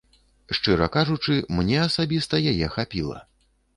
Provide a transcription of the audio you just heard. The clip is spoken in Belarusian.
Шчыра кажучы, мне асабіста яе хапіла.